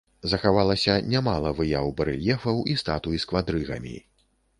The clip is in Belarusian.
Захавалася нямала выяў, барэльефаў і статуй з квадрыгамі.